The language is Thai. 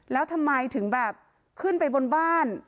แล้วทำไมถึงแบบขึ้นไปบนบ้าน